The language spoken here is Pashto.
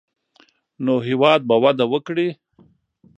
نو هېواد به وده وکړي.